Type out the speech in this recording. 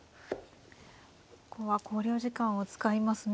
ここは考慮時間を使いますね。